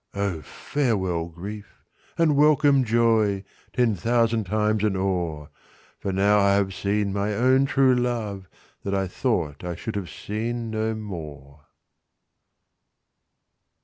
'—XIII'O farewell grief, and welcome joy, Ten thousand times and o'er! For now I have seen my own true love, That I thought I should have seen no more.